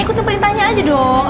ikuti perintahnya aja dong